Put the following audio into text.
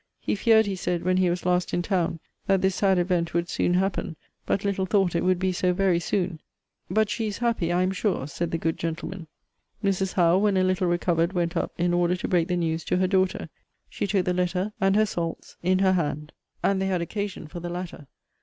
He feared, he said, when he was last in town, that this sad event would soon happen; but little thought it would be so very soon! But she is happy, I am sure, said the good gentleman. Mrs. Howe, when a little recovered, went up, in order to break the news to her daughter. She took the letter, and her salts in her hand. And they had occasion for the latter.